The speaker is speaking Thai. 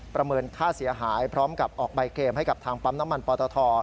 เมินค่าเสียหายพร้อมกับออกใบเกมให้กับทางปั๊มน้ำมันปอตท